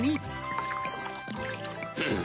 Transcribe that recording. うん。